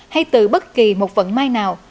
hay từ bất kì một phận mai nào